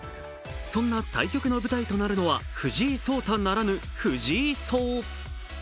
そんな対局の舞台となるのは藤井聡太ならぬ藤井荘。